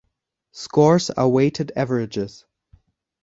Scores are weighted averages.